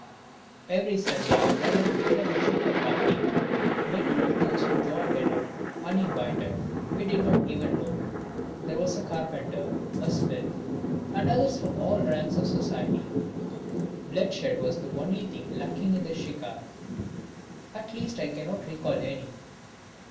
Every Sunday my brother would get up a Shikar party. Many of those who joined in it, uninvited, we did not even know. There was a carpenter, a smith and others from all ranks of society. Bloodshed was the only thing lacking in this shikar, at least I cannot recall any.